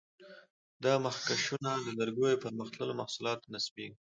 دا مخکشونه د لرګیو پر مختلفو محصولاتو نصبېږي.